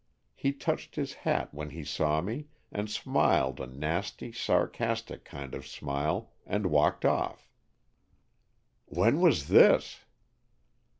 He touched his hat when he saw me, and smiled a nasty, sarcastic kind of a smile, and walked off." "When was this?"